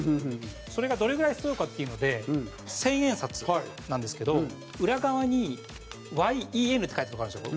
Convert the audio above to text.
それがどれぐらいすごいかっていうので千円札なんですけど裏側に「ＹＥＮ」って書いてる所あるんですよ。